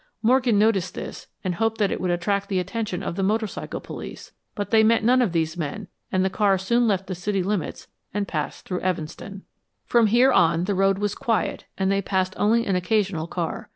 Morgan noticed this and hoped that it would attract the attention of the motorcycle police, but they met none of these men and the car soon left the city limits and passed through Evanston. From here on, the road was quiet and they passed only an occasional car.